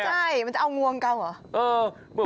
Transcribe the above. ใช่มันจะเอางวงเกาเหรอ